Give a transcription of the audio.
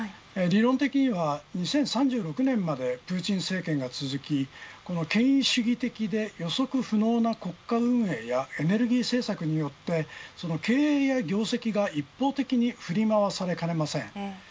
理論的には、２０３６年までプーチン政権が続きこの権威主義的で予測不能な国家運営やエネルギー政策によって経営や業績が一方的に振り回されかねません。